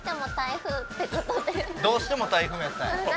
どうしても台風やったんや。